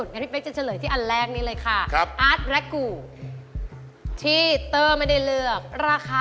อย่างนั้นพี่เป็คจะเฉลยที่อันแรกนี้เลยค่ะ